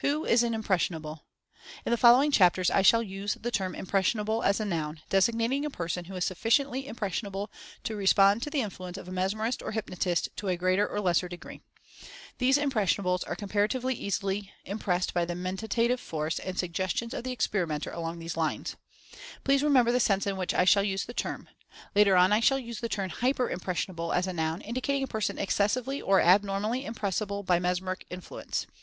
WHO IS AN "IMPRESSIONABLE"? In the following chapters I shall use the term "im pressionable" as a noun, designating a person who is sufficiently impressionable to respond to the influence of a mesmerist or hypnotist to a greater or lesser de gree. These "impressionables" are comparatively 72 Mental Fascination easily impressed by the Mentative Force, and Sugges tions of the Experimenter along these lines. Please remember the sense in which I shall use the term. Later on I shall use the term "hyper impressionable" as a noun, indicating a person excessively, or abnor mally impressible by mesmeric influence.